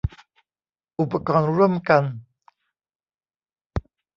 อุปกรณ์ร่วมกัน